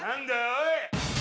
おい。